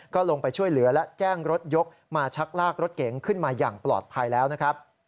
ก็ลงไปช่วยเหลือและแจ้งรถยกมาชักลากรถเก๋งขึ้นมาอย่างปลอดภัยแล้วนะครับ